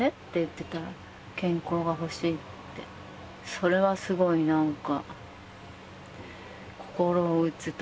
それはすごい何か。